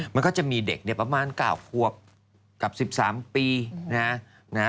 มันก็จะมีเด็กประมาณ๙ควบกับ๑๓ปีนะฮะ